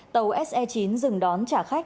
tàu se chín dừng đón trả khách